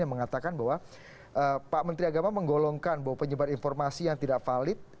yang mengatakan bahwa pak menteri agama menggolongkan bahwa penyebar informasi yang tidak valid